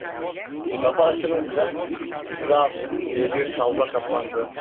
Kapı açılınca "şırrakl" diye bir tavla kapandı.